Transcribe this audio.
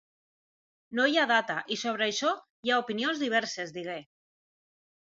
No hi ha data i sobre això hi ha opinions diverses, digué.